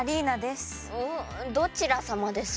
どちらさまですか？